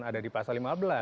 ada di pasal lima belas